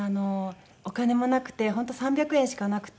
お金もなくて本当３００円しかなくて。